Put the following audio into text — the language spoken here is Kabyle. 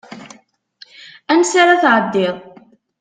Ansa ara tɛeddiḍ?